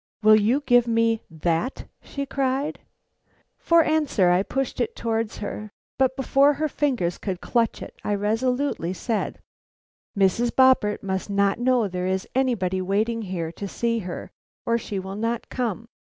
"Will you give me that?" she cried. For answer I pushed it towards her, but before her fingers could clutch it, I resolutely said: "Mrs. Boppert must not know there is anybody waiting here to see her, or she will not come.